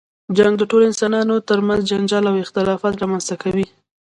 جنګ د ټولو انسانانو تر منځ جنجال او اختلافات رامنځته کوي.